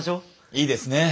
いいですね。